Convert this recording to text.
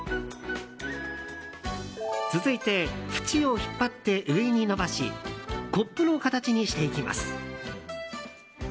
続いて縁を引っ張って上に延ばしコップの形にしていきます。